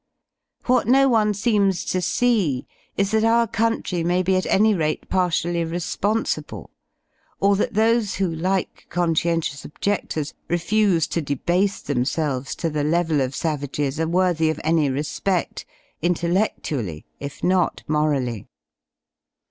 What no one seems to see is that our country may be at any rate partially responsible, or that those who, like con scientious objedlors, refuse to debase themselves to the level of savages are worthy of any respedl, intelledlually, if not morally.